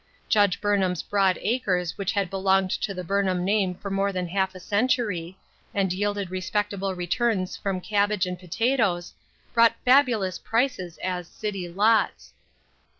Judge Burnham's broad acres which had belonged to the Burnham name for more than half a century, and yielded respectable returns from cabbage and potatoes, brought fabulous prices as " city lots."